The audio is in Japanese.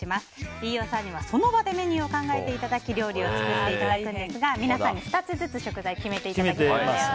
飯尾さんには、その場でメニューを考えていただき料理を作っていただくんですが皆さんに２つずつ食材を決めていただきましたよね。